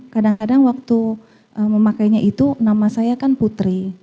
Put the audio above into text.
kadang kadang waktu memakainya itu nama saya kan putri